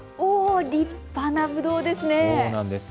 立派なぶどうですね。